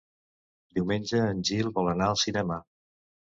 Diumenge en Gil vol anar al cinema.